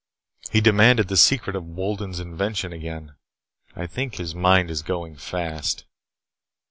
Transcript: He demanded the secret of Wolden's invention again. I think his mind is going fast."